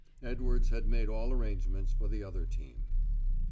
Edwards had made all arrangements for the other team.